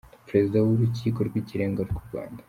Perezida w’Urukiko rw’Ikirenga rw’u Rwanda,.